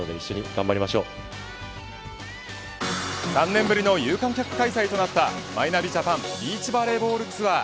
３年ぶりの有観客開催となったマイナビ・ジャパン・ビーチバレーボールツアー。